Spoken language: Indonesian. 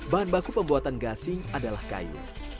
bahan baku pembuatan gasing adalah kayu